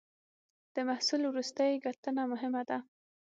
د محصول وروستۍ کتنه مهمه ده.